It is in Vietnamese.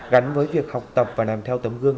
gắn với việc học tập và làm theo tấm gương